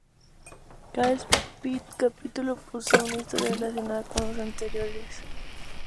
Cada capítulo posee una historia relacionada con los anteriores y una jugabilidad ligeramente diferente.